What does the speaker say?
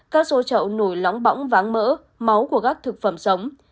các xô trậu nổi lóng bỗng váng mỡ máu của các thực phẩm sống